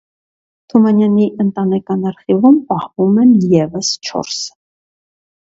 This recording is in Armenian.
Թումանյանի ընտանեկան արխիվում պահվում են ևս չորսը։